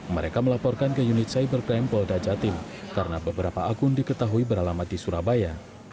mereka melaporkan ke unit cybercrime polda jatim karena beberapa akun diketahui beralamat di surabaya